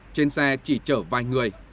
trên xe chỉ chở vài người